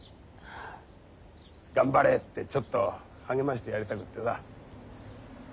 頑張れってちょっと励ましてやりたくってさ。